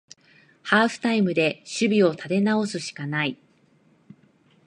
ハーフタイムで守備を立て直すしかない